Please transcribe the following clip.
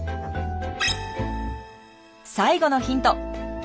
最後のヒント。